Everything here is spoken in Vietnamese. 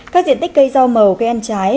các diện tích cây rau màu cây ăn trái